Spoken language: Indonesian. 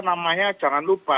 namanya jangan lupa